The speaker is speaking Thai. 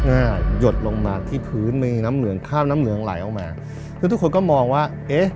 หยดลงมาที่พื้นมีน้ำเหลืองข้าวน้ำเหลืองไหลออกมาแล้วทุกคนก็มองว่าเอ๊ะ